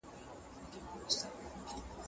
پر مسودې باندي بحث څنګه کېږي؟